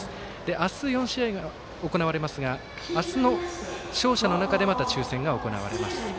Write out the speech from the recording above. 明日４試合が行われますが明日の勝者の中でまた、抽せんが行われます。